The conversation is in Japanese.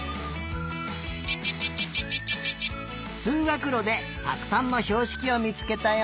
つうがくろでたくさんのひょうしきをみつけたよ。